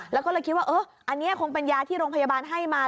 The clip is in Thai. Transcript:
แล้วก็เลยคิดว่าอันนี้คงเป็นยาที่โรงพยาบาลให้มา